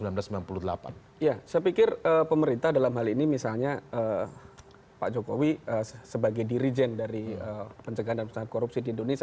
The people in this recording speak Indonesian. ya saya pikir pemerintah dalam hal ini misalnya pak jokowi sebagai dirijen dari pencegahan dan pencegahan korupsi di indonesia